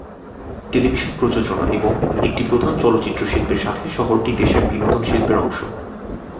Television প্রযোজনা এবং একটি প্রধান চলচ্চিত্র শিল্পের সাথে শহরটি দেশের বিনোদন শিল্পের অংশ।